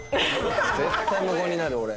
絶対無言になる俺。